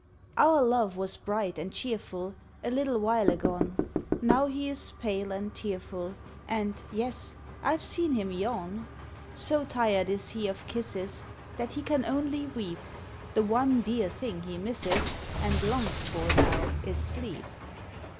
Our love was bright and cheerful A little while agone; Now he is pale and tearful, And yes, I've seen him yawn. So tired is he of kisses That he can only weep; The one dear thing he misses And longs for now is sleep.